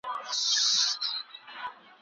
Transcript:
د هوا تودوخه خطرناکه ده.